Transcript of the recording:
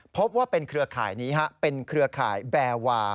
พบว่าเป็นเครือข่ายนี้เป็นเครือข่ายแบร์วา